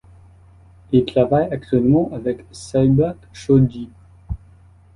Il travaille actuellement avec Saeba Shoji.